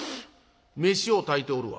飯を炊いておるわ」。